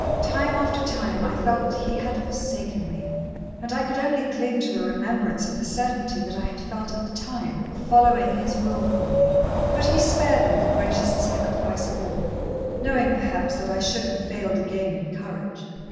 Time after time, I felt that He had forsaken me, and I could only cling to the remembrance of the certainty that I had felt at the time, of following His will for me. But He spared me the greatest sacrifice of all, knowing, perhaps, that I should have failed again in courage.